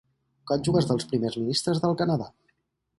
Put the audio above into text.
Cònjuges dels primers ministres del Canadà.